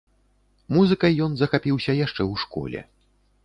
Музыкай ён захапіўся яшчэ ў школе.